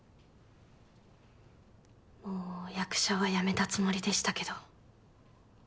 もう役者はやめたつもりでしたけど。